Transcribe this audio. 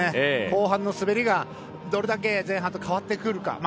後半の滑りがどれだけ前半と変わってくるか。